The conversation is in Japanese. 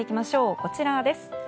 こちらです。